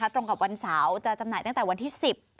ตรงกับวันเสาร์จะจำหน่ายตั้งแต่วันที่๑๐